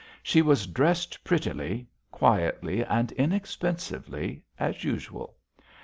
She was dressed prettily, quietly and inexpensively as usual.